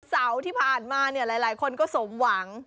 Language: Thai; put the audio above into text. สาวที่ผ่านมาหลายคนก็สมหวัง